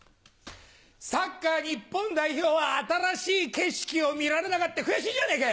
サッカー日本代表は新しい景色を見られなかって悔しいじゃねぇかい！